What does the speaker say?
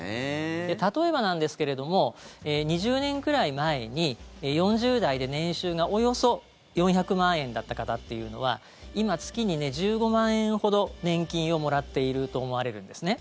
例えばなんですけども２０年くらい前に４０代で年収がおよそ４００万円だった方は今、月に１５万円ほど年金をもらっていると思われるんです。